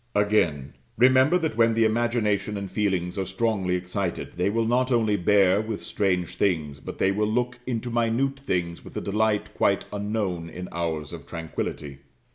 Again. Remember that when the imagination and feelings are strongly excited, they will not only bear with strange things, but they will look into minute things with a delight quite unknown in hours of tranquillity.